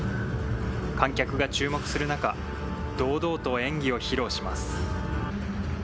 観客が注目する中、堂々と演技を披露します。